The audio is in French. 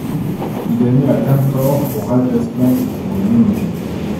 Il est né à Tamkor au Rajasthan en Inde.